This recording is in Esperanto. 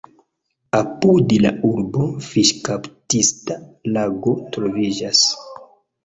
Apud la urbo fiŝkaptista lago troviĝas.